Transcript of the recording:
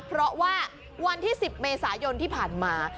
เพราะว่าวันที่๑๐เมษายนที่ผ่านมา